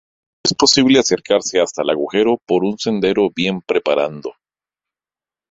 Es posible acercarse hasta el agujero por un sendero bien preparando.